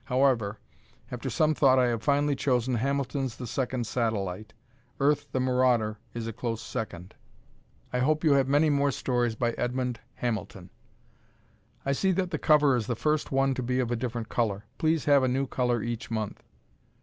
However, after some thought I have finally chosen Hamilton's "The Second Satellite." "Earth, the Marauder," is a close second. I hope you have many more stories by Edmond Hamilton. I see that the cover is the first one to be of a different color. Please have a new color each month.